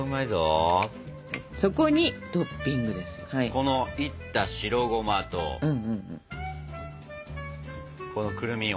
このいった白ゴマとこのくるみを。